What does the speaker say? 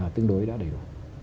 tương đối đã đầy đủ